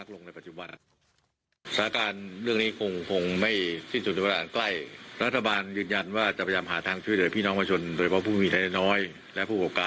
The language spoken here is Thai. ลุงตุ๊กค่ะขอเสียงหน่อยค่ะ